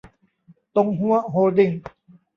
ตงฮั้ว โฮลดิ้ง